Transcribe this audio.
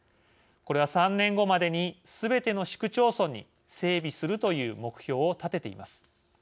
これは３年後までにすべての市区町村に整備するという目標を立てています。